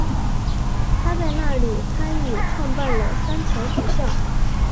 她在那里参与创办了三桥学校。